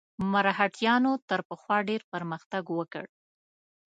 مرهټیانو تر پخوا ډېر پرمختګ وکړ.